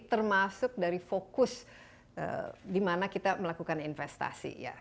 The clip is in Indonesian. termasuk dari fokus di mana kita melakukan investasi ya